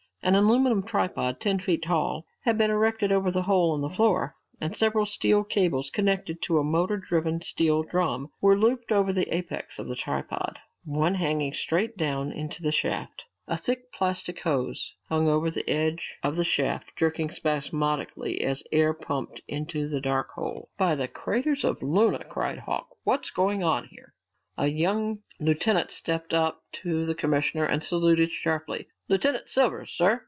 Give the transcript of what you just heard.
An aluminum tripod, ten feet tall, had been erected over the hole in the floor, and several steel cables, connected to a motor driven steel drum, were looped over the apex of the tripod, one hanging straight down into the shaft. A thick plastic hose hung over the edge of the shaft, jerking spasmodically as air was pumped into the dark hole. "By the craters of Luna," cried Hawks, "what's going on here?" A young lieutenant stepped up to the commissioner and saluted sharply. "Lieutenant Silvers, sir.